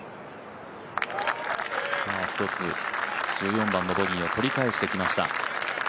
１つ１４番のボギーを取り返してきました。